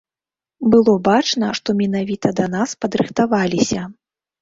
Было бачна, што менавіта да нас падрыхтаваліся.